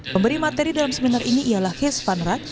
pemberi materi dalam seminar ini ialah hes van raat